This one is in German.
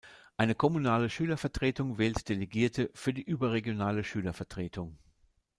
Eine kommunale Schülervertretung wählt Delegierte für die überregionale Schülervertretung.